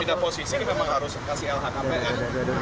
tidak posisi memang harus kasih lhkpn